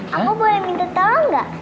kamu boleh minta tolong enggak